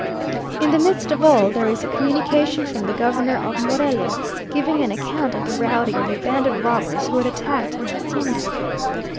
... In the midst of all, there is a communication from the Governor of Morelia, giving an account of the routing of a band of robbers who had attacked an hacienda.